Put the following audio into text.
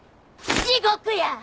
地獄や！